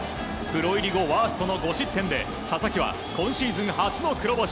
プロ入り後ワーストの５失点で佐々木は今シーズン初の黒星。